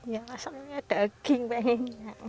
yang masaknya daging pengennya